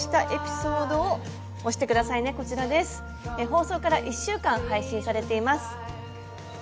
放送から１週間配信されています。